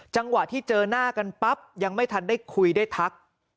จังหวะที่เจอหน้ากันปั๊บยังไม่ทันได้คุยได้ทัก